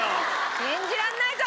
信じられないぞ！